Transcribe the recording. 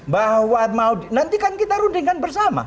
bahwa mau nanti kan kita rundingkan bersama